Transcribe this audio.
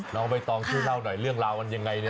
น้องใบตองช่วยเล่าหน่อยเรื่องราวมันยังไงเนี่ย